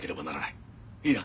いいな。